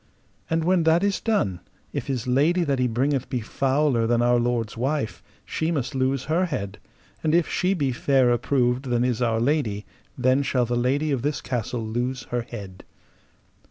And when that is done, if his lady that he bringeth be fouler than our lord's wife, she must lose her head: and if she be fairer proved than is our lady, then shall the lady of this castle lose her head.